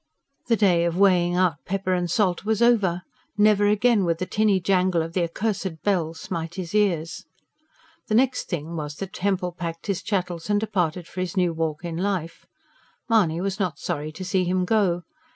The day of weighing out pepper and salt was over; never again would the tinny jangle of the accursed bell smite his ears. The next thing was that Hempel packed his chattels and departed for his new walk in life. Mahony was not sorry to see him go.